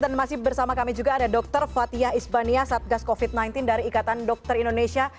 dan masih bersama kami juga ada dokter fathia isbania satgas covid sembilan belas dari ikatan dokter indonesia